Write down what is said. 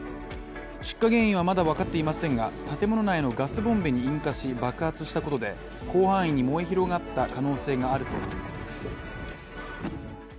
出火原因はまだ分かっていませんが建物内のガスボンベに引火し、爆発したということで広範囲に燃え広がった可能性があるということです。